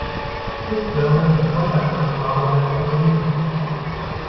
Christbirnen und Kräuterschnaps waren seine Favoriten.